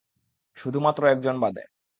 শুধুমাত্র একজন বাদে।